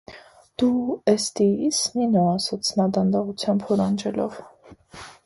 - Դու էստի ի՞ս, Նինո,- ասաց նա դանդաղությամբ հորանջելով: